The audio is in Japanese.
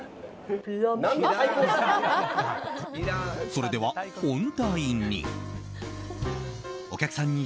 それでは本題に。